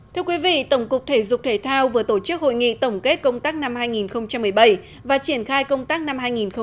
thưa quý vị tổng cục thể dục thể thao vừa tổ chức hội nghị tổng kết công tác năm hai nghìn một mươi bảy và triển khai công tác năm hai nghìn một mươi chín